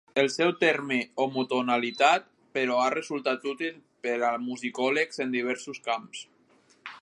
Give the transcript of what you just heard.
El seu terme "homotonalitat", però, ha resultat útil per a musicòlegs en diversos camps.